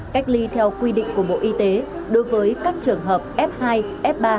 cách ly theo quy định của bộ y tế đối với các trường hợp f hai f ba